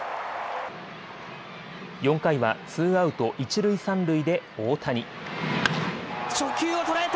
４回はツーアウト一塁三塁で大谷。